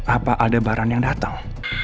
apa adebaran yang datang